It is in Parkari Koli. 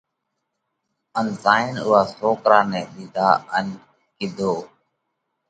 ان زائينَ اُوئا سوڪرا نئہ ۮِيڌا ان ڪِيڌو: